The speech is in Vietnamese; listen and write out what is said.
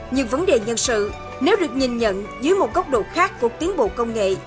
nhưng vấn đề nhân sự nếu được nhìn nhận dưới một góc độ khác của tiến bộ công nghệ